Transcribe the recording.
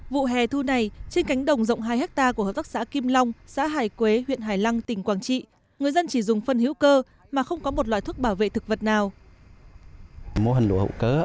vụ hè thu này trên cánh đồng rộng hai hectare của hợp tác xã kim long xã hải quế huyện hải lăng tỉnh quảng trị người dân chỉ dùng phân hữu cơ mà không có một loại thuốc bảo vệ thực vật nào